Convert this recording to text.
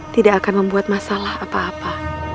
tidak akan membuat masalah apa apa